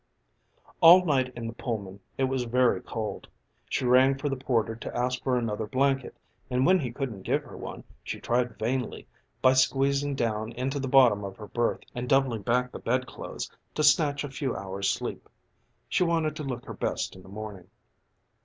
III All night in the Pullman it was very cold. She rang for the porter to ask for another blanket, and when he couldn't give her one she tried vainly, by squeezing down into the bottom of her berth and doubling back the bedclothes, to snatch a few hours' sleep. She wanted to look her best in the morning.